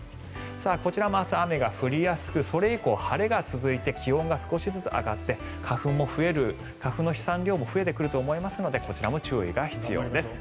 こちらも明日、雨が降りやすくそれ以降晴れが続いて気温が少しずつ上がって花粉の飛散量も増えてくると思いますのでこちらも注意が必要です。